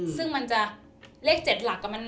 ซึ่งมันจะเลข๗หลัก